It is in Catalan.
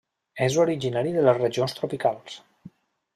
És originari de les regions tropicals.